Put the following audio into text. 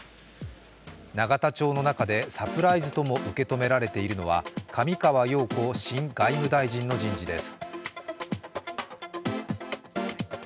永田町の中でサプライズとも受け止められているのは上川陽子新外務大臣の人事です。